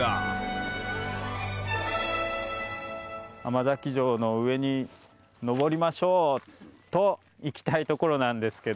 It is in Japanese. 甘崎城の上に登りましょう！といきたいところなんですけど。